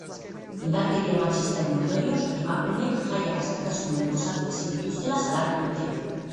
Indarkeria matxistaren ondorioz emakumeek jaiak askatasunean gozatu ezin dituztela salatu dute.